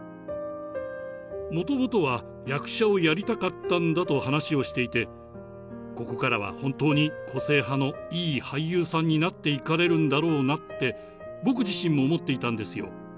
もともとは役者をやりたかったんだと話をしていて、ここからは本当に個性派のいい俳優さんになっていかれるんだろうなって、僕自身も思っていたんですよ。